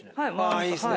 いいっすね。